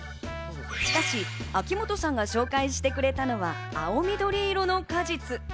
しかし、秋元さんが紹介してくれたのは青緑色の果実。